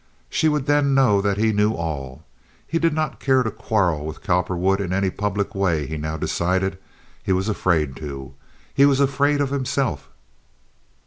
She would then know that he knew all. He did not care to quarrel with Cowperwood, in any public way, he now decided. He was afraid to. He was afraid of himself.